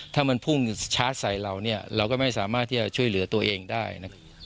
ถ้ามันพุ่งชาร์จใส่เราเนี่ยเราก็ไม่สามารถที่จะช่วยเหลือตัวเองได้นะครับ